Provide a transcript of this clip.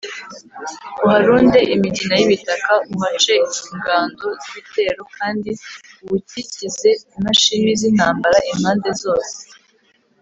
uharunde imigina y’ibitaka, uhace ingando z’ibitero kandi uwukikize imashini z’intambara impande zose